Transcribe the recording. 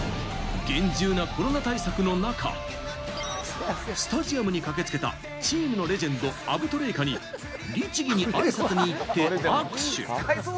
厳重なコロナ対策の中、スタジアムに駆けつけたチームのレジェンド、アブトレイカに律儀に挨拶に行って握手。